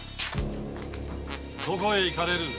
どこへ行かれる！